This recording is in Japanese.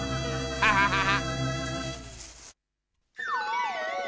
ハハハハ。